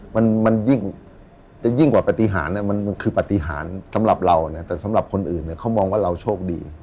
มันมันจะยิ่งกว่าปฏิหารมันคือปฏิหารสำหรับเรานะแต่สำหรับคนอื่นเนี่ยเขามองว่าเราโชคดี